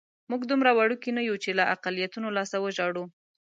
موږ دومره وړوکي نه یو چې له اقلیتونو لاسه وژاړو.